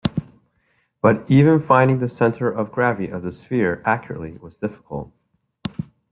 But even finding the center of gravity of the sphere accurately was difficult.